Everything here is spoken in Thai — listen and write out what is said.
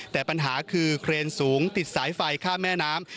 แต่ปัญหาคือเครนสูงติดสายไฟข้ามแม่น้ำ